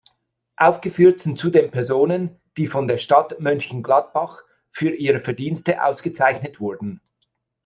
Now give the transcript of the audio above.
Aufgeführt sind zudem Personen, die von der Stadt Mönchengladbach für ihre Verdienste ausgezeichnet wurden.